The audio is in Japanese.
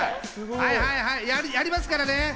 はいはいはい、やりますからね。